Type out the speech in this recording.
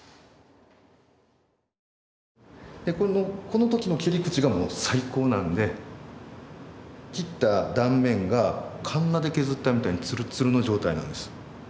この時の切り口がもう最高なんで切った断面がカンナで削ったみたいにツルツルの状態なんです。